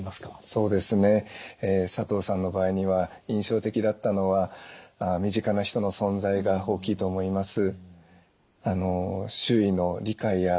そうですね佐藤さんの場合には印象的だったのは身近な人の存在が大きいと思います。